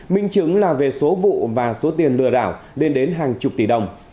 minh chứng là về số vụ và số tiền lừa đảo lên đến hàng chục tỷ đồng